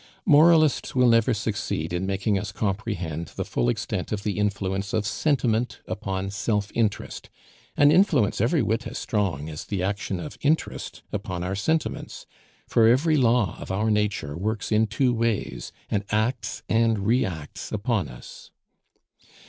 Moralists will never succeed in making us comprehend the full extent of the influence of sentiment upon self interest, an influence every whit as strong as the action of interest upon our sentiments; for every law of our nature works in two ways, and acts and reacts upon us.